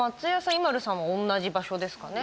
ＩＭＡＬＵさんは同じ場所ですかね。